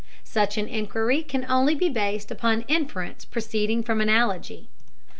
Such an inquiry can only be based upon inference proceeding from analogy.